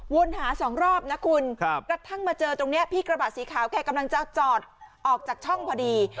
หาสองรอบนะคุณกระทั่งมาเจอตรงนี้พี่กระบะสีขาวแกกำลังจะจอดออกจากช่องพอดี